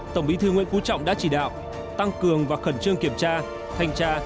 tổng bí thư nguyễn phú trọng đã chỉ đạo tăng cường và khẩn trương kiểm tra